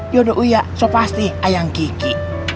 yaudah uya so pasti ayang kiki